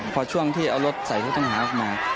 พอช่วงที่เอารถใส่ผู้ต้องหาออกมา